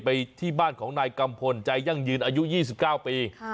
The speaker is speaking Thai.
ไปที่บ้านของนายกัมพลใจยั่งยืนอายุ๒๙ปี